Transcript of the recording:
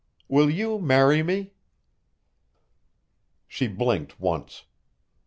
Will you marry me?" She blinked once.